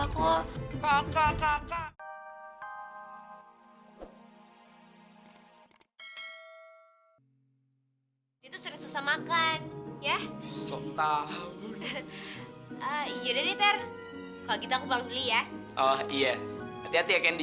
kalo kenyataan hidup tuh emang kayak gini